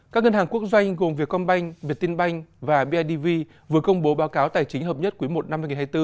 các ngân hàng quốc doanh gồm việt công banh việt tin banh và bidv vừa công bố báo cáo tài chính hợp nhất cuối một năm hai nghìn hai mươi bốn